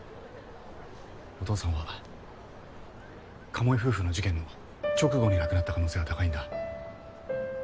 お父さんは鴨居夫婦の事件の直後に亡くなった可能性が高いんだ。